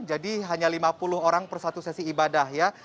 jadi hanya lima puluh orang per satu sesi ibadah ya